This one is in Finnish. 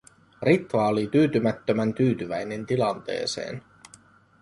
Ritva oli tyytymättömän tyytyväinen tilanteeseen.